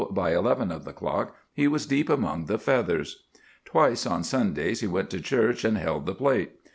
by eleven of the clock he was deep among the feathers. Twice on Sundays he went to church and held the plate.